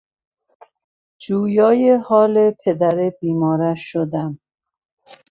جویای حال پدر بیمارش شدم.